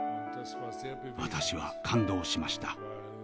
私は感動しました。